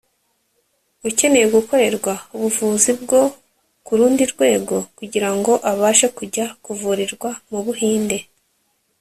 ukeneye gukorerwa ubuvuzi bwo ku rundi rwego kugira ngo abashe kujya kuvurirwa mu Buhinde